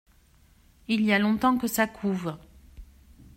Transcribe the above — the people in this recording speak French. Il y a longtemps que ça couve.